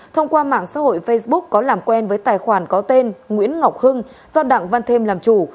thông qua mạng xã hội facebook có làm quen với tài khoản có tên nguyễn ngọc hưng do đặng văn thêm làm chủ